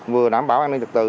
vừa đảm bảo an ninh lực tự